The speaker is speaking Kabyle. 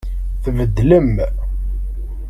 Tbeddlem.